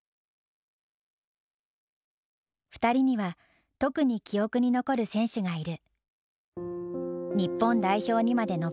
２人には特に記憶に残る選手がいる。